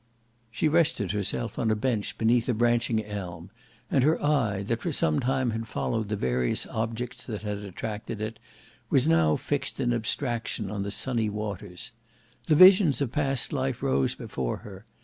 She rested herself on a bench beneath a branching elm, and her eye, that for some time had followed the various objects that had attracted it, was now fixed in abstraction on the sunny waters. The visions of past life rose before her.